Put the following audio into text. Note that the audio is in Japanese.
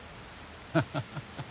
ハハハハ。